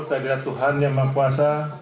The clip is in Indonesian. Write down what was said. keadaan tuhan yang mempuasa